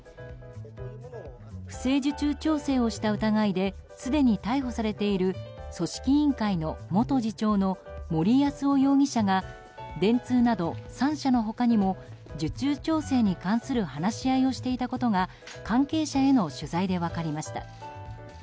不正受注調整をした疑いですでに逮捕されている組織委員会の元次長の森泰夫容疑者が電通など３社の他にも受注調整に関する話し合いをしていたことが関係者への取材で分かりました。